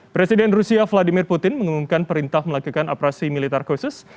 presiden rusia vladimir putin mengumumkan perintah melakukan operasi militer khusus